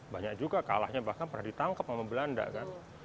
banyak juga kalahnya bahkan pernah ditangkap sama belanda kan